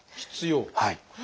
はい。